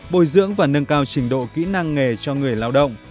bồi dưỡng và nâng cao trình độ kỹ năng nghề cho người lao động